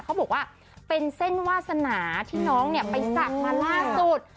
เขาบอกว่าเป็นเส้นวาสนาที่น้องเนี่ยไปศักดิ์มาล่าสุด